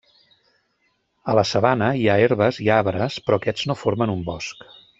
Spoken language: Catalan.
A la sabana hi ha herbes i arbres però aquests no formen un bosc.